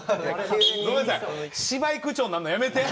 ごめんなさい芝居口調になんのやめて。